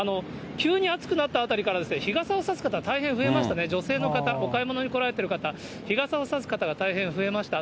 急に暑くなったあたりから、日傘を差す方、大変増えましたね、女性の方、お買い物に来られている方、日傘を差す方が大変増えました。